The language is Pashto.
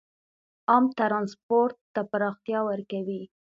عام ټرانسپورټ ته پراختیا ورکوي.